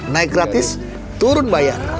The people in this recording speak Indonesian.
naik gratis turun bayar